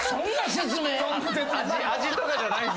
味とかじゃないんすね。